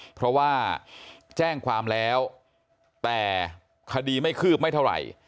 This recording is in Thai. เพราะว่าแจ้งความแล้วแต่คดีไม่คืบไม่เท่าไหร่